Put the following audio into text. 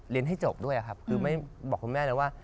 ให้จบด้วยครับคือไม่บอกคุณแม่เลยว่า